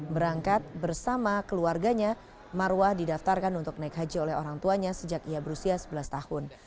berangkat bersama keluarganya marwah didaftarkan untuk naik haji oleh orang tuanya sejak ia berusia sebelas tahun